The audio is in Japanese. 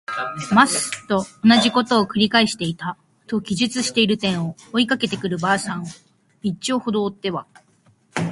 ます。」とおなじことを「くり返していた。」と記述している点を、追いかけてくる婆さんを一町ほど行っては